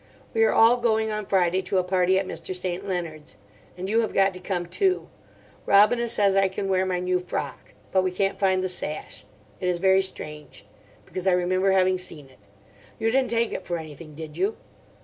We are all going on Friday to a party at Mr. St. Leonard's. And you have got to come too. Robina says I can wear my new frock. But we can't find the sash. It is very strange. Because I remember having seen it. You didn't take it for anything, did you?